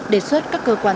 đề xuất các cơ quan